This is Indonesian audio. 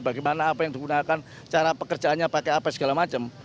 bagaimana apa yang digunakan cara pekerjaannya pakai apa segala macam